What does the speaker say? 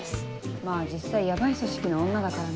まぁ実際ヤバい組織の女だからね。